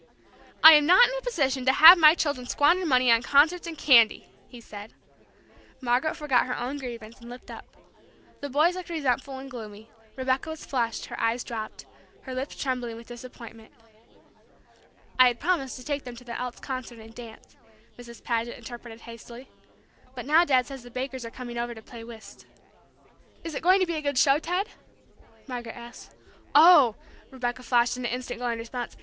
"I am not in a position to have my children squander money on concerts and candy," he said. Margaret forgot her own grievance, and looked up. The boys looked resentful and gloomy; Rebecca was flushed, her eyes dropped, her lips trembling with disappointment. "I had promised to take them to the Elks Concert and dance," Mrs. Paget interpreted hastily. "But now Dad says the Bakers are coming over to play whist." "Is it going to be a good show, Ted?" Margaret asked. "Oh," Rebecca flashed into instant glowing response.